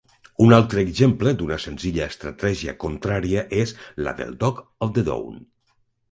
Un altre exemple d'una senzilla estratègia contraria és la de Dogs of the Dow.